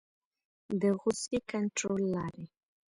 د غصې کنټرول لارې